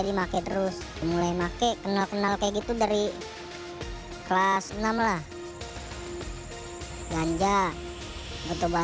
namun pengetahuan tersebut tidak menghalangi mereka untuk mencicipi narkoba